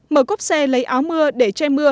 mở cốc xe lấy áo mưa để che mưa